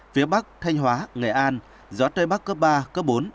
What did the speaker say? phía bắc thanh hóa nghệ an gió tây bắc cấp ba cấp bốn